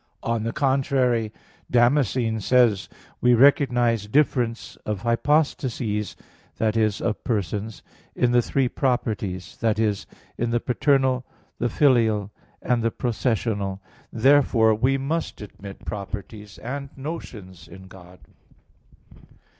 On the contrary, Damascene says (De Fide Orth. iii, 5): "We recognize difference of hypostases [i.e. of persons], in the three properties; i.e. in the paternal, the filial, and the processional." Therefore we must admit properties and notions in God.